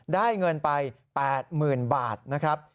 ได้เงินไป๘๐๐๐บาทนะครับ